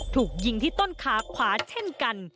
ถูกยิงที่ต้นขาขวาเช่นกัน